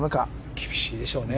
厳しいでしょうね。